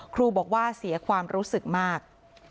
ครูบอกว่าเสียความรู้สึกมาก